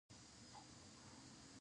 ایا زه باید خپلې کورنۍ ته خبر ورکړم؟